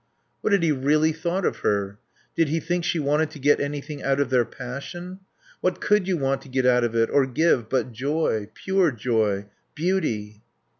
What had he really thought of her? Did he think she wanted to get anything out of their passion? What could you want to get out of it, or give, but joy? Pure joy. Beauty.